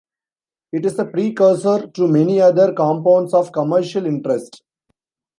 It is a precursor to many other compounds of commercial interest.